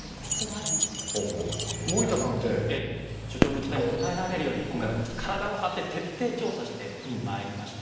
所長の期待に応えられるように今回私体を張って徹底調査してまいりました。